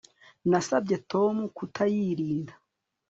Nasabye Tom kutayirinda